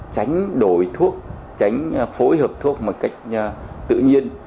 tránh đổi thuốc tránh phối hợp thuốc một cách tự nhiên